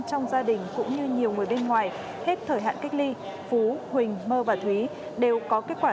trong gia đình cũng như nhiều người bên ngoài hết thời hạn cách ly phú huỳnh mơ và thúy đều có kết quả